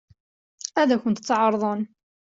Ad kent-tt-ɛeṛḍen?